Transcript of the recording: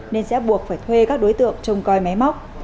nên sẽ buộc phải thuê các đối tượng trông coi máy móc